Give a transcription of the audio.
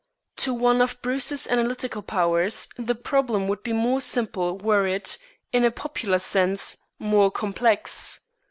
To one of Bruce's analytical powers the problem would be more simple were it, in a popular sense, more complex.